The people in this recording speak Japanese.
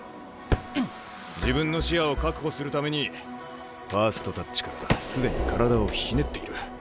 自分の視野を確保するためにファーストタッチから既に体をひねっている。